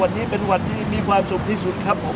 วันนี้เป็นวันที่มีความสุขที่สุดครับผม